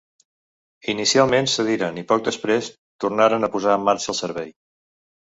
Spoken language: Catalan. Inicialment cediren i poc després tornaren a posar en marxa el servei.